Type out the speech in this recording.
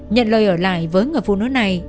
nhận lời ở lại với người phụ nữ này